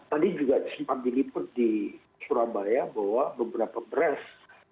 tadi juga sempat diliput di surabaya bahwa beberapa beras